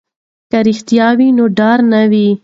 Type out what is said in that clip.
که رښتیا وي نو ډار نه وي.